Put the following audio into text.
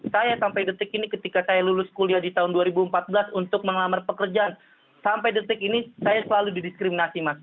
saya sampai detik ini ketika saya lulus kuliah di tahun dua ribu empat belas untuk mengamar pekerjaan sampai detik ini saya selalu didiskriminasi mas